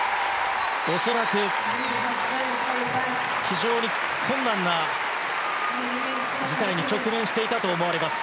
恐らく、非常に困難な事態に直面していたと思われます。